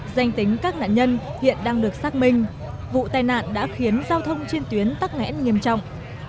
danh tính các nạn nhân hiện đang được xác minh vụ tai nạn đã khiến giao thông trên tuyến tắc nghẽn nghiêm trọng